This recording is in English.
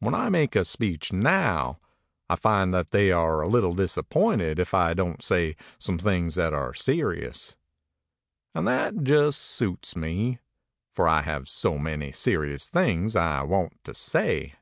When I make a speech now, I find that they are a little disappointed if I don't say some things that are serious; and that just suits me, for I have so many serious things I want to say!"